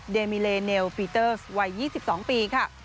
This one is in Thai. เมเลเนลปีเตอร์สวัย๒๒ปีค่ะ